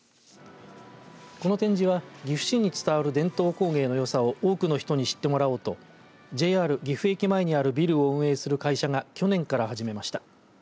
この展示は岐阜市に伝わる伝統工芸のよさを多くの人に知ってもらおうとＪＲ岐阜駅前にあるビルを運営する会社が去年から始めました。